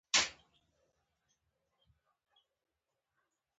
د کابل کندهار لویه لار بنده وه.